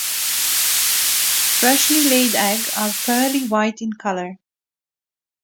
Freshly laid egg are pearly white in color.